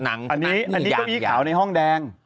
อันนี้เก้าอี้ขาวในห้องแดง